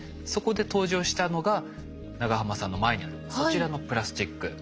そこで登場したのが長濱さんの前にあるそちらのプラスチック。